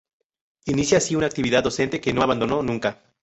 Inicia así una actividad docente que no abandonó nunca.